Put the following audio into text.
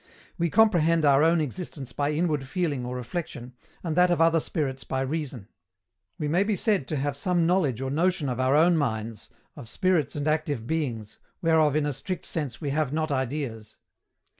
We comprehend our own existence by inward feeling or reflexion, and that of other spirits by reason. We may be said to have some knowledge or notion of our own minds, of spirits and active beings, whereof in a strict sense we have not ideas.